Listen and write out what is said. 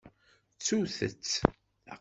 Ttut-tt!